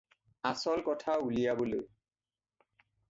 আচল কথা উলিওৱাবলৈ।